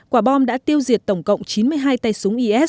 quả bom đã tiêu diệt tổng cộng chín mươi hai tay súng is